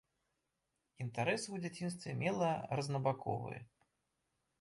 Інтарэсы ў дзяцінстве мела рознабаковыя.